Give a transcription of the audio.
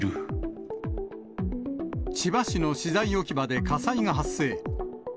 千葉市の資材置き場で火災が発生。